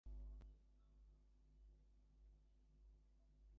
এখন সেই ধাওয়াও নেই, তাই শরীরে এই হরমোনের কাজও কমে গেছে।